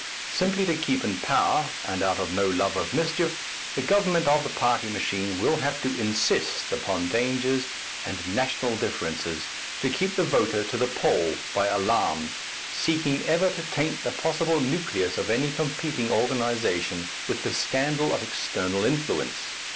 Simply to keep in power, and out of no love of mischief, the government or the party machine will have to insist upon dangers and national differences, to keep the voter to the poll by alarms, seeking ever to taint the possible nucleus of any competing organization with the scandal of external influence.